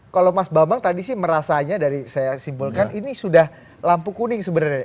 kalau mas bambang tadi sih merasanya dari saya simpulkan ini sudah lampu kuning sebenarnya